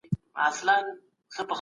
سپینڅانګه